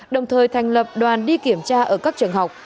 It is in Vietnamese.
đồng thời thành lập đoàn đi kiểm tra ở các trường học